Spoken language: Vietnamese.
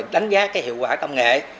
đánh giá cái hiệu quả công nghệ